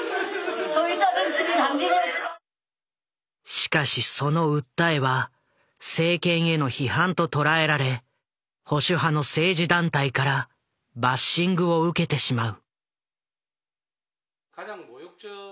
しかしその訴えは政権への批判と捉えられ保守派の政治団体からバッシングを受けてしまう。